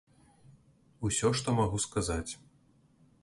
Усё, што магу сказаць.